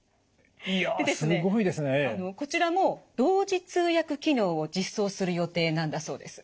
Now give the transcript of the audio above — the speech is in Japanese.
こちらも同時通訳機能を実装する予定なんだそうです。